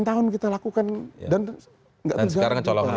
delapan tahun kita lakukan dan sekarang tidak terjadi